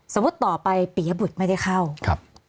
สมมุติต่อไปเปียบุตรไม่ได้เข้า